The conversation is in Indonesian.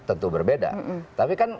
tentu berbeda tapi kan